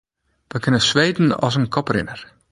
We kenne Sweden as in koprinner.